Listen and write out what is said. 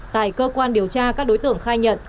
tại cơ quan điều tra các đối tượng khai nhận